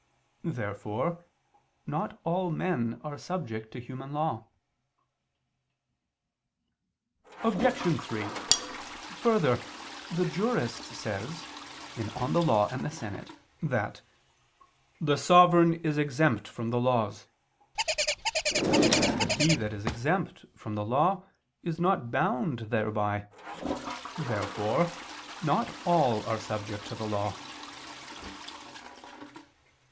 Therefore not all men are subject to human law. Obj. 3: Further, the jurist says [*Pandect. Justin. i, ff., tit. 3, De Leg. et Senat.] that "the sovereign is exempt from the laws." But he that is exempt from the law is not bound thereby. Therefore not all are subject to the law.